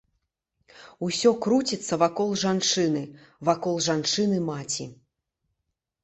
Усё круціцца вакол жанчыны, вакол жанчыны-маці.